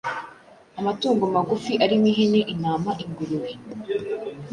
Amatungo magufi arimo ihene, intama, ingurube,